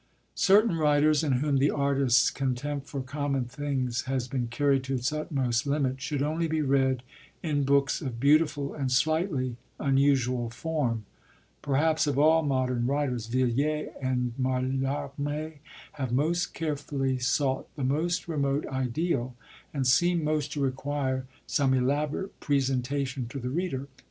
Certain writers, in whom the artist's contempt for common things has been carried to its utmost limit, should only be read in books of beautiful and slightly unusual form. Perhaps of all modern writers Villiers and Mallarmé have most carefully sought the most remote ideal, and seem most to require some elaborate presentation to the reader.